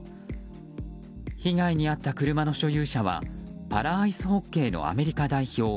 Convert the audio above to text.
被害に遭った車の所有者はパラアイスホッケーのアメリカ代表